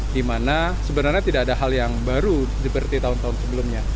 di mana sebenarnya tidak ada hal yang baru seperti tahun tahun sebelumnya